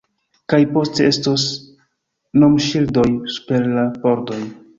Kaj poste estos nomŝildoj super la pordoj